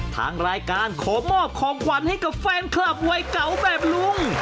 ทางรายการขอมอบของขวัญให้กับแฟนคลับวัยเก่าแบบลุง